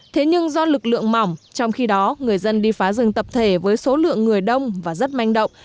thế nhưng do lực lượng mỏng trong khi đó người dân đi phá rừng tập thể với số lượng người đông và rất manh động